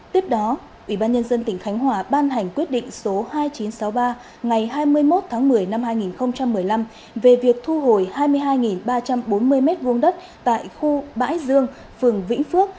tiếp đó ubnd tỉnh khánh hòa ban hành quyết định số hai nghìn chín trăm sáu mươi ba ngày hai mươi một tháng một mươi năm hai nghìn một mươi năm về việc thu hồi hai mươi hai ba trăm bốn mươi m hai đất tại khu bãi dương phường vĩnh phước